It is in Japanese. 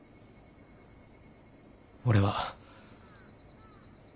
俺は。